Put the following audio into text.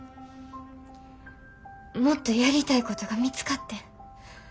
もっとやりたいことが見つかってん。